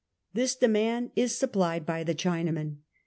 This de mand is supplied by the Chinamen.